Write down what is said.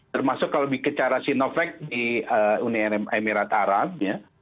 termasuk kalau bicara sinovac di uni emirat arab ya